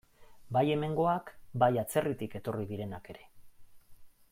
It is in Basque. Bai hemengoak, bai atzerritik etorri direnak ere.